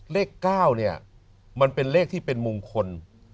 เลข๙เนี่ยมันเป็นเลขที่เป็นมงคล